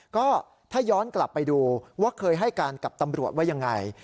ก็ถ้าย้อนกลับไปดูว่าเคยให้การกับตำรวจว่ายังไง